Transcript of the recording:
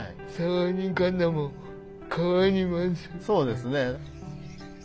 そうですね。